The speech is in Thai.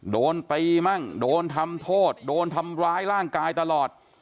โดนตีมั่งโดนทำโทษโดนทำร้ายร่างกายตลอด